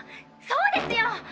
そうですよ。